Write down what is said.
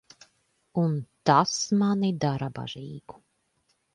Un tas mani dara bažīgu.